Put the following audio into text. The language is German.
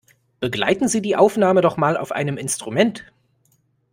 Begleiten Sie die Aufnahme doch mal auf einem Instrument!